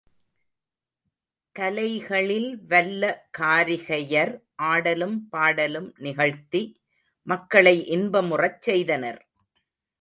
கலைகளில் வல்ல காரிகையர் ஆடலும் பாடலும் நிகழ்த்தி மக்களை இன்பமுறச் செய்தனர்.